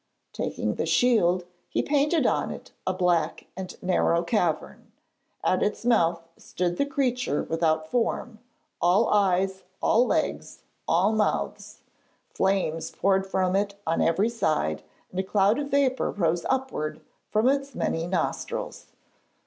Taking the shield, he painted on it a black and narrow cavern. At its mouth stood the creature without form; all eyes, all legs, all mouths. Flames poured from it on every side, and a cloud of vapour rose upwards from its many nostrils.